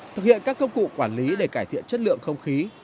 thực hiện các công cụ quản lý để cải thiện chất lượng không khí